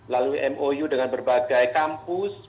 lalu mou dengan berbagai kampus